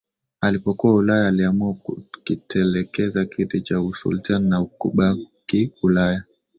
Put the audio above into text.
Alipokuwa Ulaya aliamua kukitelekeza kiti cha usultan na kubaki Ulaya